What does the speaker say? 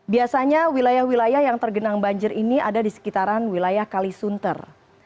biasanya wilayah wilayah yang tergenang banjir ini ada di sekitaran wilayah kalisunter